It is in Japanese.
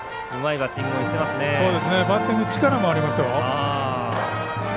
バッティング力もありますよ。